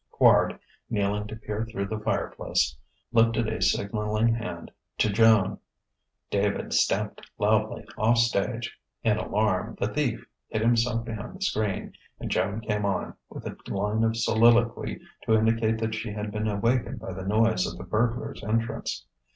Quard, kneeling to peer through the fireplace, lifted a signalling hand to Joan. David stamped loudly, off stage. In alarm, the Thief hid himself behind the screen; and Joan came on, with a line of soliloquy to indicate that she had been awakened by the noise of the burglar's entrance.